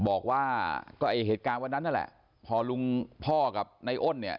บอกว่าก็ไอ้เหตุการณ์วันนั้นนั่นแหละพอลุงพ่อกับในอ้นเนี่ย